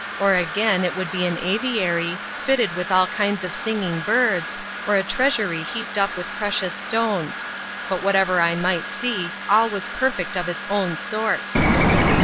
Or again, it would be an aviary, fitted with all kinds of singing birds, or a treasury heaped up with precious stones; but whatever I might see, all was perfect of its own sort.